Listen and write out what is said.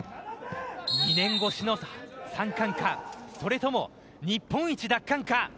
２年越しの３冠かそれとも日本一奪還か。